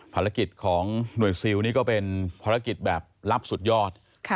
ภารกิจของหน่วยซิลนี่ก็เป็นภารกิจแบบลับสุดยอด